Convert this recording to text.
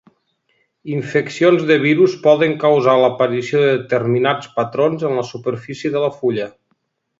Infeccions de virus poden causar l'aparició de determinats patrons en la superfície de la fulla.